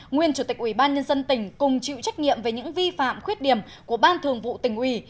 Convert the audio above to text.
nguyên chủ tịch ủy ban nhân dân tỉnh cùng chịu trách nhiệm về những vi phạm khuyết điểm của ban thường vụ tỉnh ủy